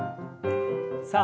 さあ